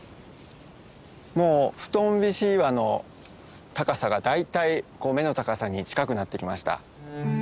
もう布団菱岩の高さが大体目の高さに近くなってきました。